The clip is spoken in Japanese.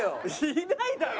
いないだろ！